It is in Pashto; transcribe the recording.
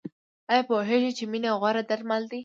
ایا پوهیږئ چې مینه غوره درمل ده؟